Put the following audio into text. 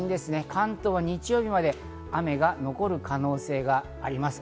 関東は日曜日まで雨が残る可能性があります。